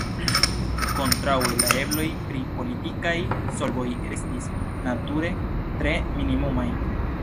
Kontraŭe, la ebloj pri politikaj solvoj restis, nature, tre minimumaj.